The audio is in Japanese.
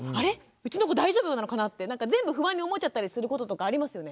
うちの子大丈夫なのかなって全部不安に思っちゃったりすることとかありますよね。